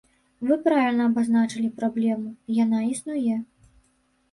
Вы правільна абазначылі праблему, яна існуе.